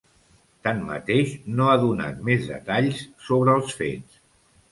Tanmateix, no ha donat més detalls sobre els fets.